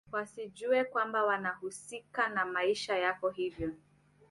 wasijue kwamba wanahusika na maisha yako hivyo